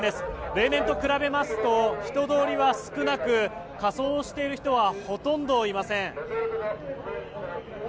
例年と比べますと人通りは少なく仮装している人はほとんどいません。